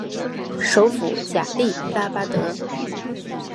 首府贾利拉巴德。